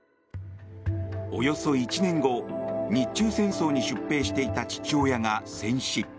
およそ１年後、日中戦争に出兵していた父親が戦死。